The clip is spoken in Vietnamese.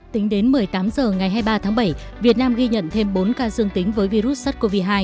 tính đến một mươi tám h ngày hai mươi ba tháng bảy việt nam ghi nhận thêm bốn ca dương tính với virus sars cov hai